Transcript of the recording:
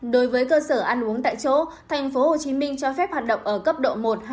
đối với cơ sở ăn uống tại chỗ tp hcm cho phép hoạt động ở cấp độ một hai